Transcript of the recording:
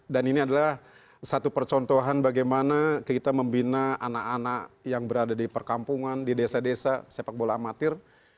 dan ini adalah satu percontohan bagaimana kita membina anak anak yang berada di perkampungan di desa desa sepak bola amatir